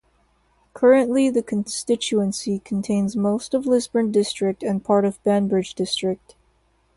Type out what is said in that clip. Currently the constituency contains most of Lisburn district and part of Banbridge district.